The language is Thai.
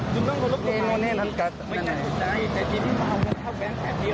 ใช่มันเป็นเวลาฮะ